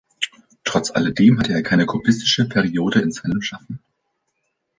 Trotz all dem, hatte er keine kubistische Periode in seinem Schaffen.